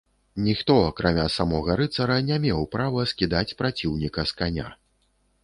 Ніхто, акрамя самаго рыцара не меў права скідаць праціўніка з каня.